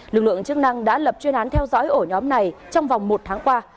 lực lượng chức năng đã lập chuyên án theo dõi ổ nhóm này trong vòng một tháng qua